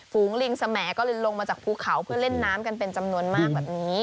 ฝูงลิงสมก็เลยลงมาจากภูเขาเพื่อเล่นน้ำกันเป็นจำนวนมากแบบนี้